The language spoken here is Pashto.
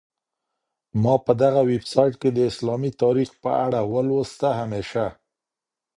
ما په دغه ویبسایټ کي د اسلامي تاریخ په اړه ولوسهمېشه.